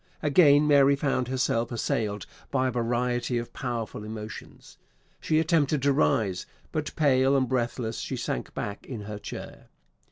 Again Mary found herself assailed by a variety of powerful emotions. She attempted to rise; but, pale and breathless, she sank back in her chair.